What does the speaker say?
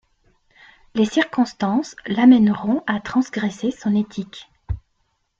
Les circonstances l'amèneront à transgresser son éthique.